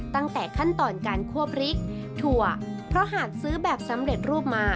ตั้งแต่ขั้นตอนการคั่วพริกถั่วเพราะหากซื้อแบบสำเร็จรูปมา